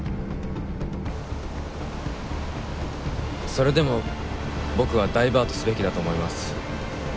それでも僕はダイバートすべきだと思います。